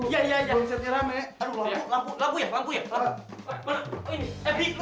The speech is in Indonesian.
ya siap ya